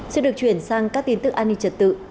sẽ được chuyển sang các tin tức an ninh trật tự